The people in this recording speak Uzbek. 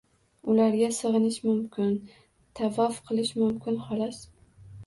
Ularga sig‘inish mumkin, tavof qilish mumkin, xolos.